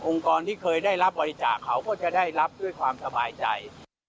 ที่เคยได้รับบริจาคเขาก็จะได้รับด้วยความสบายใจ